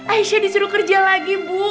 aisyah disuruh kerja lagi bu